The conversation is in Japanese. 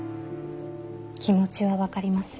気持ちは分かります。